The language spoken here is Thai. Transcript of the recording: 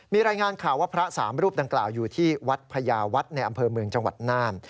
มีรายงานข่าวว่าพระสามรูปดังกล่าวอยู่ที่วัดพญาวัฒน์ในอำเภอเมืองจังหวัดน่าน